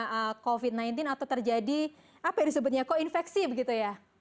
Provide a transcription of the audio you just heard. ini juga bisa terkena covid sembilan belas atau terjadi apa disebutnya koinfeksi begitu ya